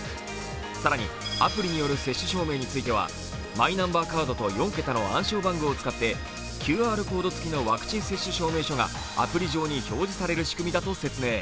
更に、アプリによる接種証明についてはマイナンバーカードと４桁の暗証番号を使ってＱＲコード付きのワクチン接種証明書がアプリ上に表示される仕組みだと説明。